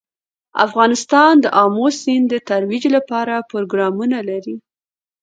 افغانستان د آمو سیند د ترویج لپاره پروګرامونه لري.